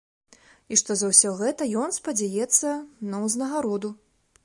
І што за ўсё гэта ён спадзяецца на ўзнагароду.